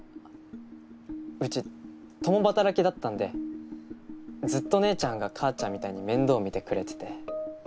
うち共働きだったんでずっと姉ちゃんが母ちゃんみたいに面倒見てくれてて。